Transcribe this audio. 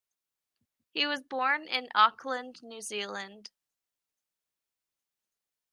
He was born in Auckland, New Zealand.